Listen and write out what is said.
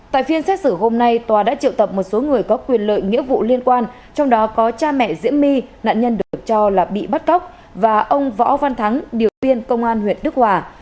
tại phiên xét xử hôm nay tòa đã triệu tập một số người có quyền lợi nghĩa vụ liên quan trong đó có cha mẹ diễm my nạn nhân được cho là bị bắt cóc và ông võ văn thắng điều biên công an huyện đức hòa